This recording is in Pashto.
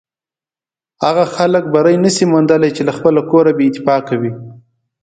هغه خلک بری نشي موندلی چې له خپله کوره بې اتفاقه وي.